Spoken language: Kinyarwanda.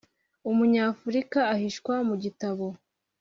Umunyafurika ahishwa mu gitabo